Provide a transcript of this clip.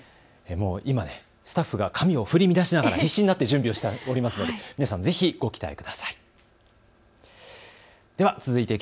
今スタッフが髪を振り乱しながら必死になって準備しておりますのでぜひご期待ください。